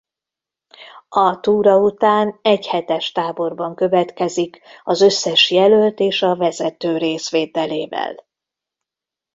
A túra után egyhetes táborban következik az összes jelölt és a vezető részvételével.